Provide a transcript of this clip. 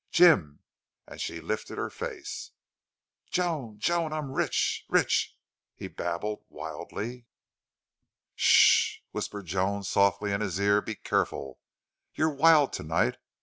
Jim! and she lifted her face. "Joan! Joan! I'm rich! rich!" he babbled, wildly. "Ssssh!" whispered Joan, softly, in his ear. "Be careful. You're wild to night....